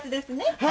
はい！